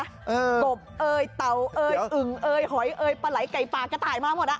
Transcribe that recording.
ตบเอ่ยเตาเอ่ยอึงเอ่ยหอยเอ่ยปลายไก่ปลากระต่ายมากหมด